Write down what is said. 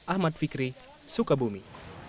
ahmad fikri sukabumi